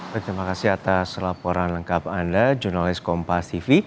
terima kasih atas laporan lengkap anda jurnalis kompas tv